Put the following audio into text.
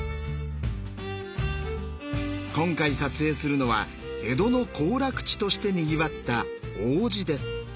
今回撮影するのは江戸の行楽地としてにぎわった王子です。